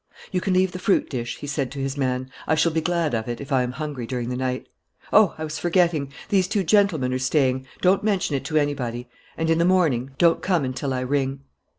"You can leave the fruit dish," he said to his man. "I shall be glad of it, if I am hungry during the night.... Oh, I was forgetting! These two gentlemen are staying. Don't mention it to anybody. And, in the morning, don't come until I ring."